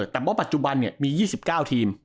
แต่ว่าปัจจุบันมี๒๙ทีม